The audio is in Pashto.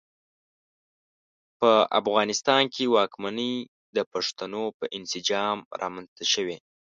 په افغانستان کې واکمنۍ د پښتنو په انسجام رامنځته شوې.